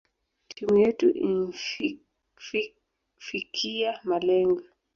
Timu yetu imfikiya malengo